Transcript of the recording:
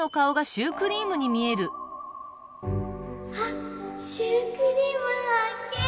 あっシュークリームはっけん！